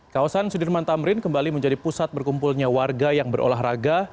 kawasan sudirman tamrin kembali menjadi pusat berkumpulnya warga yang berolahraga